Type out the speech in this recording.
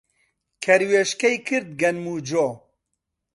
کەروێشکەی کرد گەنم و جۆ